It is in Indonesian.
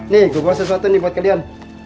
nih gua bawa sesuatu nih buat kalian